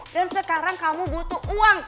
dan sekarang kamu butuh uang